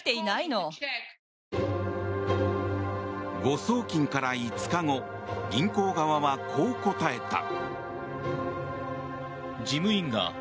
誤送金から５日後銀行側はこう答えた。